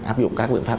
áp dụng các luyện pháp